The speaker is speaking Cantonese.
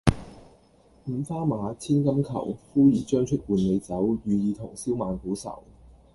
五花馬，千金裘，呼兒將出換美酒，與爾同銷萬古愁